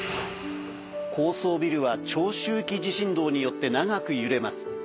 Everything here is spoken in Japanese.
高層ビルは長周期地震動によって長く揺れます。